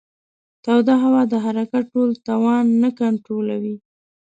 توده هوا د حرکت ټول توان نه کنټرولوي.